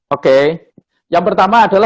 oke yang pertama adalah